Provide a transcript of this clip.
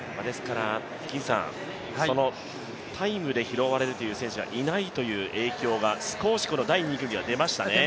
タイムで拾われる選手がいないという影響が少し第２組は出ましたね。